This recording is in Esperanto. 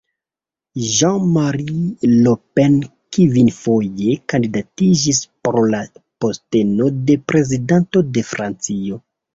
Jean-Marie Le Pen kvinfoje kandidatiĝis por la posteno de Prezidanto de Francio.